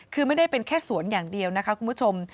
คือไม่ได้เป็นแค่สวนอย่างเดียวนะคะคุณผู้ชม